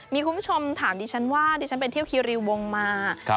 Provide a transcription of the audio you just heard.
มีคุณผู้ชมถามดิฉันว่าดิฉันไปเที่ยวคีรีวงมา